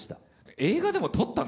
映画でも撮ったの？